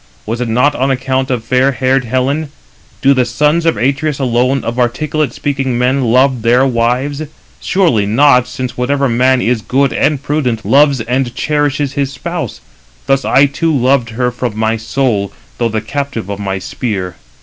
Was it not on account of fair haired Helen? Do the sons of Atreus alone, of articulate speaking men, love their wives? [Surely not], since whatever man is good and prudent loves and cherishes his spouse; thus I too loved her from my soul, though the captive of my spear.